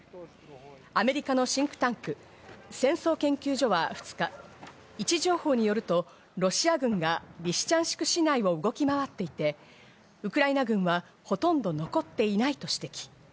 アメリカのシンクタンク、戦争研究所は２日、位置情報によると、ロシア軍がリシチャンシク市内を動き回っていて、ウクライナ軍はほとんど残っていないと指摘。